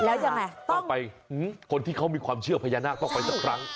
แล้วยังไงต้องไปคนที่เขามีความเชื่อพญานาคต้องไปสักครั้ง